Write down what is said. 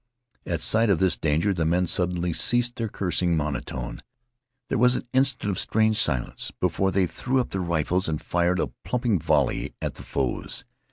At sight of this danger the men suddenly ceased their cursing monotone. There was an instant of strained silence before they threw up their rifles and fired a plumping volley at the foes.